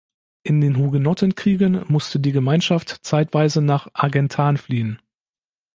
In den Hugenottenkriegen musste die Gemeinschaft zeitweise nach Argentan fliehen.